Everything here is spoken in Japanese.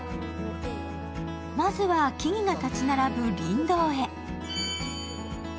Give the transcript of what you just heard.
まずは、木々が立ち並ぶ林道へ。